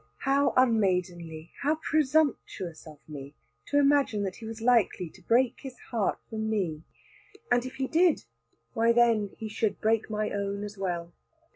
How unmaidenly, how presumptuous of me to imagine that he was likely to break his heart for me! And if he did why then he should break my own as well.